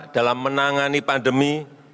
dalam menangani pandemi